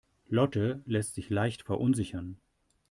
Lotte lässt sich leicht verunsichern.